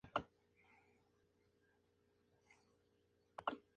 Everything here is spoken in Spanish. La formación de un nuevo aquelarre se llama "disociación".